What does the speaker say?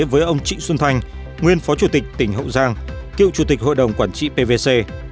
với ông trịnh xuân thanh nguyên phó chủ tịch tỉnh hậu giang cựu chủ tịch hội đồng quản trị pvc